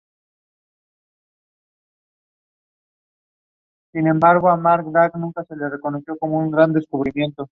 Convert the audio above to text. Luego se consagró como actriz en cine y teatro fundamentalmente.